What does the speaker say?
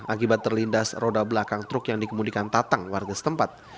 akibat terlindas roda belakang truk yang dikemudikan tatang warga setempat